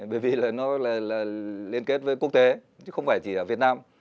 bởi vì nó liên kết với quốc tế chứ không phải chỉ ở việt nam